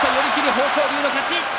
豊昇龍の勝ち。